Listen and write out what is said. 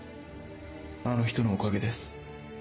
あの人のおかげです。